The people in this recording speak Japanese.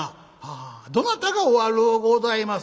「ああどなたがお悪うございます？」。